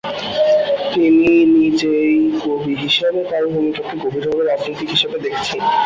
তিনি নিজেই কবি হিসেবে তার ভূমিকাকে "গভীরভাবে রাজনৈতিক" হিসেবে দেখেছেন।